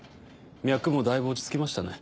脈もだいぶ落ち着きましたね。